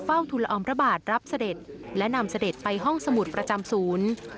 ทุลออมพระบาทรับเสด็จและนำเสด็จไปห้องสมุทรประจำศูนย์